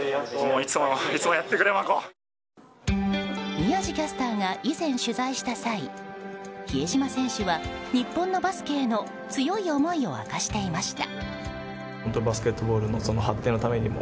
宮司キャスターが以前取材した際比江島選手は、日本のバスケへの強い思いを明かしていました。